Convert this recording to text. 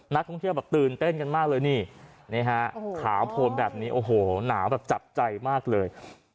นักท่องเที่ยวตื่นเต้นกันมากเลยขาวโผล่แบบนี้หนาวจับใจมากเลย